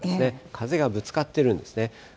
風がぶつかっているんですね。